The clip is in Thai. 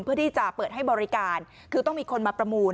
เพื่อที่จะเปิดให้บริการคือต้องมีคนมาประมูล